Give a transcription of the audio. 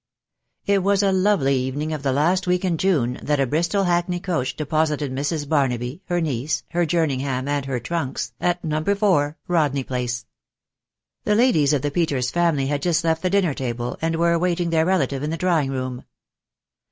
It was a lovery evening of the last week in June, that a Bristol hackney coach deposited Mrs. Barnaby, her niece, her Jerningham, and her trunks, at No. 4. Rodney Place. The ladies of the Peters'* family had just left the dinner table, and were awaiting their relative in the drawing room.